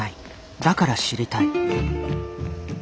だから知りたい。